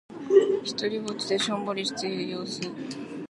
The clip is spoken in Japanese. ひとりっぼちでしょんぼりしている様子。